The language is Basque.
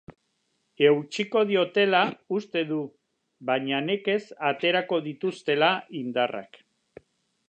Eutsiko diotela uste du baina nekez aterako dituztela indarrak.